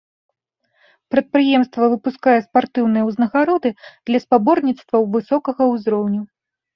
Прадпрыемства выпускае спартыўныя узнагароды для спаборніцтваў высокага ўзроўню.